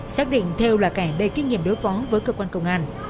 xác định theo là kẻ đầy kinh nghiệm đối phó với cơ quan công an